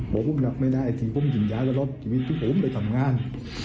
บอกผมอยากไม่ได้ทีผมสิ้นย้ายก็รอดจริงต้องไปทำงาน